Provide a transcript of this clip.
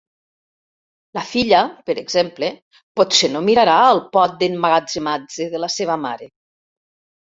La filla, per exemple, potser no mirarà al pot d'emmagatzematge de la seva mare.